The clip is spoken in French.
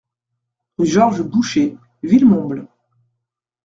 Rue Georges Bouchet, Villemomble